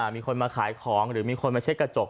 มีคนมาขายของหรือมีคนมาเช็ดกระจก